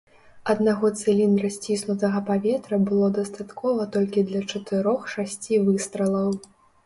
Аднаго цыліндра сціснутага паветра было дастаткова толькі для чатырох-шасці выстралаў.